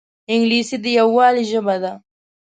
انګلیسي د یووالي ژبه ده